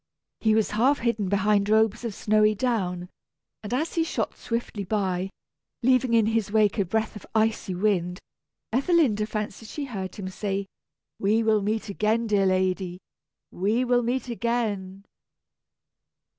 He was half hidden behind robes of snowy down, and as he shot swiftly by, leaving in his wake a breath of icy wind, Ethelinda fancied she heard him say, "We will meet again, dear lady, we will meet again!"